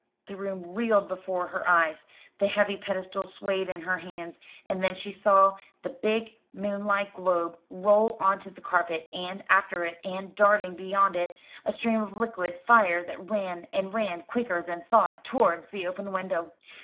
The room reeled before her eyes, the heavy pedestal swayed in her hands, and then she saw the big moonlike globe roll on to the carpet, and after it, and darting beyond it, a stream of liquid fire that ran, and ran, quicker than thought, towards the open window.